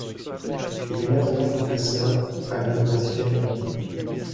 Il est maintenant professeur à l'Université McGill.